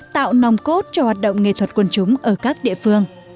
tạo nồng cốt cho hoạt động nghệ thuật quần chúng ở các địa phương